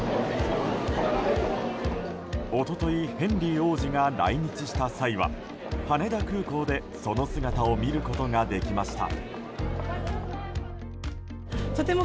一昨日ヘンリー王子が来日した際は羽田空港でその姿を見ることができました。